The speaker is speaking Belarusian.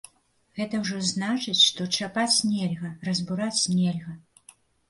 Гэта ўжо значыць, што чапаць нельга, разбураць нельга.